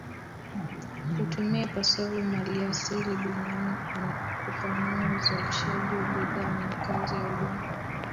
kutumia ipasavyo maliasili duniani kupanua uzalishaji wa bidhaa na kazi ya huduma